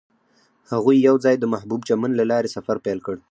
هغوی یوځای د محبوب چمن له لارې سفر پیل کړ.